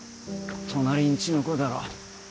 隣ん家の子だろ。